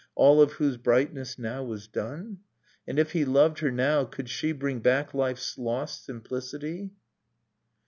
All of whose brightness now was done? And, if he loved her now, could she Bring back Hfe's lost simplicity?